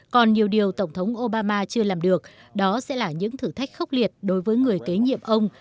còn nhiều điều tổng thống obama chưa làm được đó sẽ là những thử thách khốc liệt đối với người kế nhiệm ông